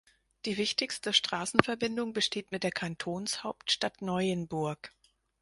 Die wichtigste Strassenverbindung besteht mit der Kantonshauptstadt Neuenburg.